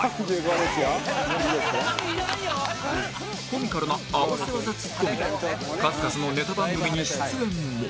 コミカルな合わせ技ツッコミで数々のネタ番組に出演も